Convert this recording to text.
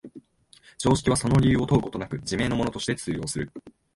常識はその理由を問うことなく、自明のものとして通用する。